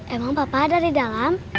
emang papa ada di dalam